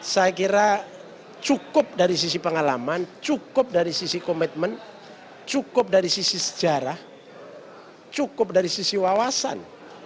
saya kira cukup dari sisi pengalaman cukup dari sisi komitmen cukup dari sisi sejarah cukup dari sisi wawasan